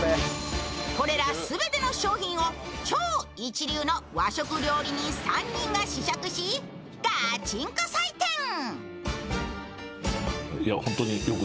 これら全ての商品を超一流の和食料理人３人が試食しガチンコ採点。